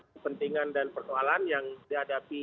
kepentingan dan persoalan yang dihadapi